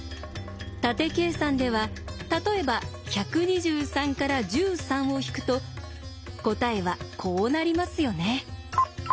縦計算では例えば１２３から１３を引くと答えはこうなりますよね。